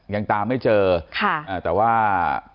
ยังตามไม่เจอค่ะอ่าแต่ว่า